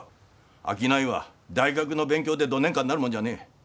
商いは大学の勉強でどねんかなるもんじゃねえ。